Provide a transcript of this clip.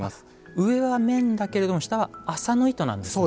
上は綿だけれども下は麻の糸なんですね。